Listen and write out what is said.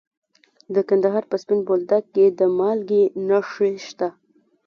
د کندهار په سپین بولدک کې د مالګې نښې شته.